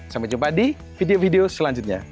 sampai jumpa di video video selanjutnya